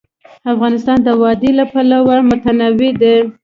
افغانستان د وادي له پلوه متنوع دی.